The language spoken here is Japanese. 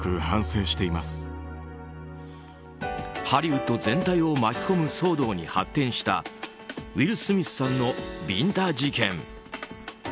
ハリウッド全体を巻き込む騒動に発展したウィル・スミスさんのビンタ事件。